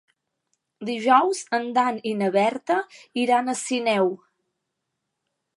Dijous en Dan i na Berta iran a Sineu.